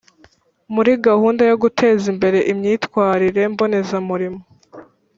Muri gahunda yo guteza imbere imyitwarire mbonezamurimo